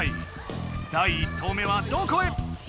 第１投目はどこへ？